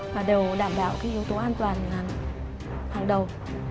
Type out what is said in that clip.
và đều đảm bảo cái yếu tố an toàn hàng đầu